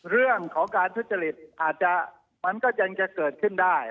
เรื่องขอการทุจจฤทธิ์อาจจะมันจะเกิดขึ้นได้